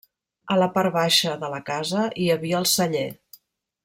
A la part baixa de la casa hi havia el celler.